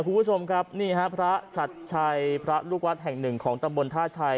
คุณผู้ชมครับนี่ฮะพระชัดชัยพระลูกวัดแห่งหนึ่งของตำบลท่าชัย